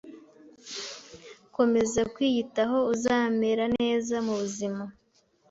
Komeza kwiyitaho uzamera neza mubuzima